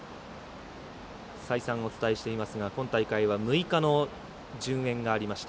再三お伝えしていますが今大会は６日の順延がありました。